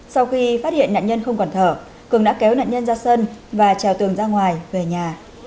sau khi phát hiện nạn nhân không còn thở cường đã kéo nạn nhân ra sân và trèo tường ra ngoài về nhà